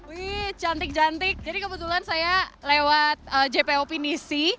wih cantik cantik jadi kebetulan saya lewat jpo pinisi